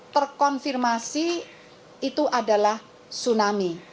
terkonfirmasi itu adalah tsunami